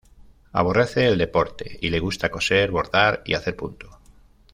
Aborrece el deporte y le gusta coser, bordar y hacer punto.